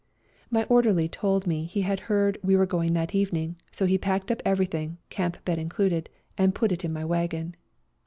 My orderly told me he had heard we were going that evening, so he packed up every thing, camp bed included, and put it in my wagon.